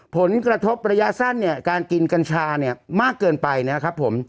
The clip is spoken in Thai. ผลกระทบระยะสั้นการกินกัญชามากเกินไปนะครับ